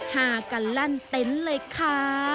หากันลั่นเต็นต์เลยค่ะ